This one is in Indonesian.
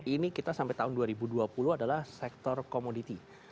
ini kita sampai tahun dua ribu dua puluh adalah sektor komoditi